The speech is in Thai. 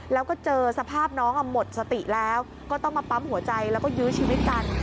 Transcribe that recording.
แล้วก็เจอสภาพน้องหมดสติแล้วก็ต้องมาปั๊มหัวใจแล้วก็ยื้อชีวิตกัน